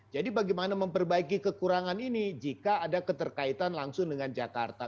jadi bagaimana memperbaiki kekurangan ini jika ada keterkaitan langsung dengan jakarta